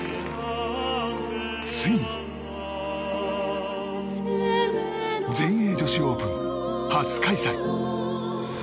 ついに全英女子オープン初開催。